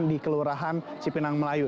di kelurahan cipinang melayu